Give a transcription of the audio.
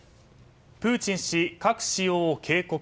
プーチン氏、核使用を警告